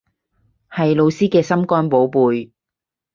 係老師嘅心肝寶貝